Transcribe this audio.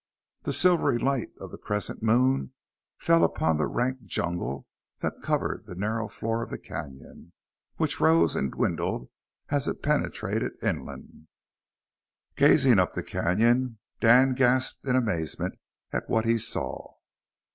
The silvery light of the crescent moon fell upon the rank jungle that covered the narrow floor of the canyon, which rose and dwindled as it penetrated inland. Gazing up the canyon, Dan gasped in amazement at what he saw.